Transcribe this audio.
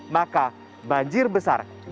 maka banjir besar akan berubah